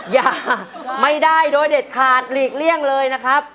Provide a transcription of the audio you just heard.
อย่าไม่ได้โดยเด็ดขาดหลีกเลี่ยงเลยนะครับ